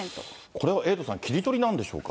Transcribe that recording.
これはエイトさん、切り取りなんでしょうか。